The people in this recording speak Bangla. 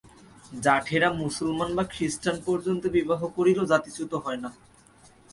জাঠেরা মুসলমান বা খ্রীষ্টান পর্যন্ত বিবাহ করিলেও জাতিচ্যুত হয় না।